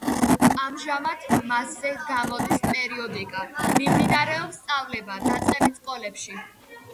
ამჟამად მასზე გამოდის პერიოდიკა, მიმდინარეობს სწავლება დაწყებით სკოლებში.